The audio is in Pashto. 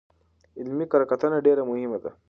علمي کره کتنه ډېره مهمه ده.